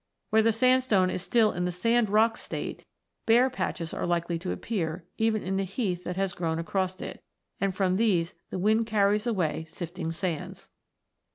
Where the sandstone is still in the sand rock state, bare patches are likely to 'appear even in the heath that has grown across it, and from these the wind carries away shifting sands.